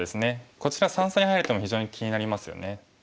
こちら三々に入る手も非常に気になりますよね。